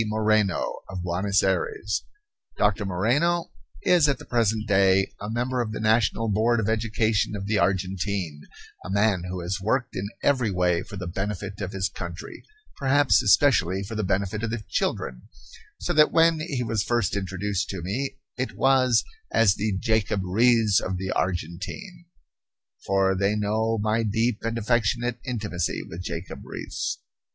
Moreno, of Buenos Aires. Doctor Moreno is at the present day a member of the National Board of Education of the Argentine, a man who has worked in every way for the benefit of his country, perhaps especially for the benefit of the children, so that when he was first introduced to me it was as the "Jacob Riis of the Argentine" for they know my deep and affectionate intimacy with Jacob Riis.